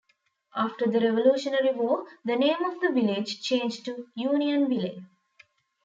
After the Revolutionary War, the name of the village changed to Unionville.